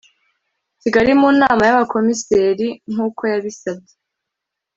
kigali mu nama y abakomiseri nk uko yabisabye